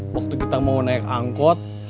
waktu kita mau naik angkot